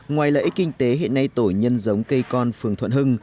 ngoài lợi ích kinh tế hiện nay tổ nhân giống cây con phường thuận hưng